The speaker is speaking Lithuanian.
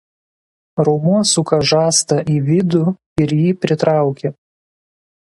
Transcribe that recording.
Raumuo suka žastą į vidų ir jį pritraukia.